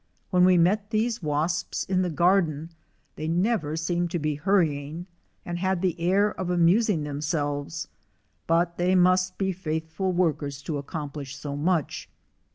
When we met these wasps in the garden they never seemed to be hurry ing, and had the air of amusing them selves; but they must be faithful workers to accomplish so much.